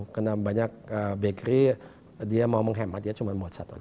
karena banyak bakery dia mau menghemat dia cuma buat satu